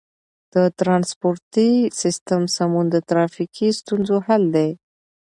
د ترانسپورتي سیستم سمون د ترافیکي ستونزو حل دی.